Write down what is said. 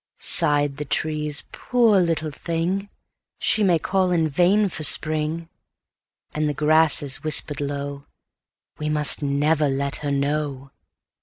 Sighed the trees, "Poor little thing! She may call in vain for spring."And the grasses whispered low,"We must never let her know."